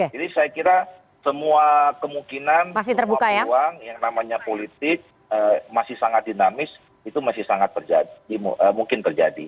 jadi saya kira semua kemungkinan semua peluang yang namanya politik masih sangat dinamis itu masih sangat mungkin terjadi